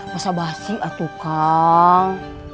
basah basih atuh kak